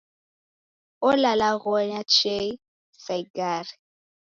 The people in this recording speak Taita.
Olalaghona chee sa igare.